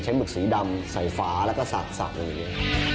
ใช้หมึกสีดำใส่ฟ้าแล้วก็สักอย่างนี้